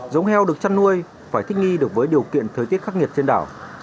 giống heo được chăn nuôi phải thích nghi được với điều kiện thời tiết khắc nghiệt trên đảo